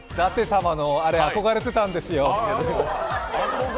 舘様のあれ憧れてたんですよ。